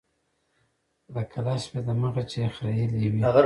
لکه لس شپې د مخه چې يې خرييلي وي.